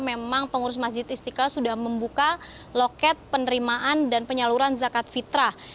memang pengurus masjid istiqlal sudah membuka loket penerimaan dan penyaluran zakat fitrah